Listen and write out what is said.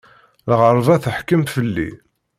Lɣeṛba teḥkem fell-i.